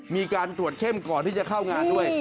มีการตรวจเข้มก่อนที่จะเข้างานด้วย